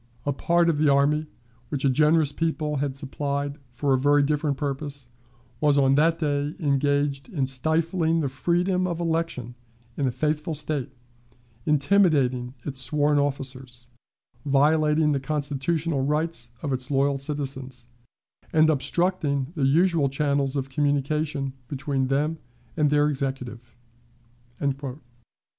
A part of the army, which a generous people had supplied for a very different purpose, was on that day engaged in stifling the freedom of election in a faithful State, intimidating its sworn officers, violating the constitutional rights of its loyal citizens, and obstructing the usual channels of communication between them and their Executive."